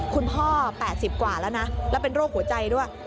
๘๐กว่าแล้วนะแล้วเป็นโรคหัวใจด้วย